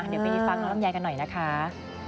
เดี๋ยวไปรีบฟักนมลำไยกันหน่อยนะคะ